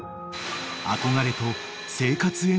［憧れと生活への不安］